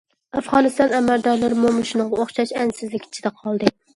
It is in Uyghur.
ئافغانىستان ئەمەلدارلىرىمۇ مۇشۇنىڭغا ئوخشاش ئەنسىزلىك ئىچىدە قالدى.